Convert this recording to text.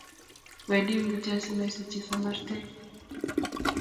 Wendi mutyo asimesuchi sarmatek